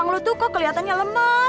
gua ya keburan tidur dah